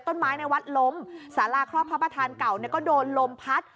ต้นไม้ในวัดล้มสาราครอบพระประธานเก่าก็โดนลมพัด